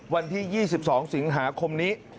วันที่๒๒สิงหาคมนี้